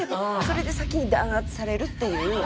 それで先に弾圧されるっていう。